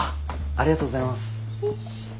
ありがとうございます。